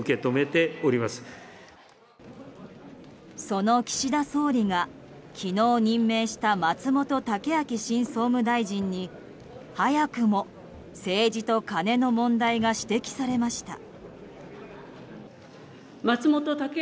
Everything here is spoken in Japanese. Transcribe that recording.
その岸田総理が昨日任命した松本剛明新総務大臣に早くも政治とカネの問題が指摘されました。